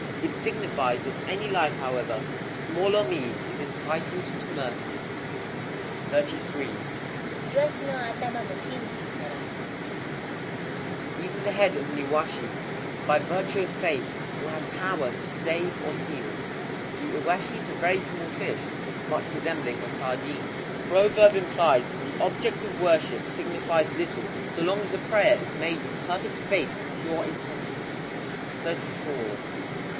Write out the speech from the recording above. It signifies that any life, however small or mean, is entitled to mercy. 33.—Iwashi no atama mo shinjin kara. Even the head of an iwashi, by virtue of faith, [will have power to save, or heal]. The iwashi is a very small fish, much resembling a sardine. The proverb implies that the object of worship signifies little, so long as the prayer is made with perfect faith and pure intention. 34.—_Jigō jitoku.